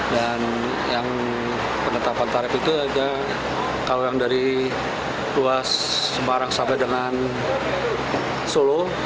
dan yang penetapan tarif itu ada kalau yang dari ruas semarang sampai dengan solo